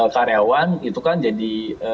karyawan itu kan jadi